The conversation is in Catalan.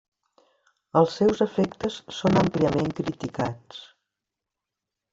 Els seus efectes són àmpliament criticats.